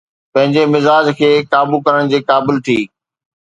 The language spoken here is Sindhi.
پنهنجي مزاج کي قابو ڪرڻ جي قابل ٿي.